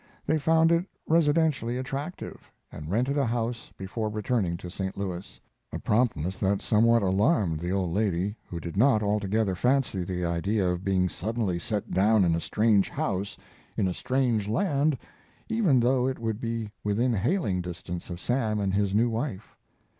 They found it residentially attractive, and rented a house before returning to St. Louis, a promptness that somewhat alarmed the old lady, who did not altogether fancy the idea of being suddenly set down in a strange house, in a strange land, even though it would be within hailing distance of Sam and his new wife.